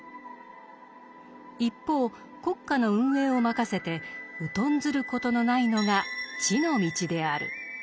一方国家の運営を任せて疎んずることのないのが地の道である。